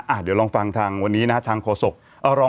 อ่ะเดี๋ยวลองฟังทางวันนี้ทางโครโศก